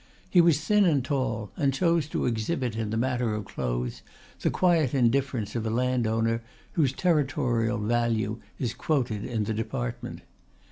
He was thin and tall, and chose to exhibit in the matter of clothes the quiet indifference of a landowner whose territorial value is quoted in the department.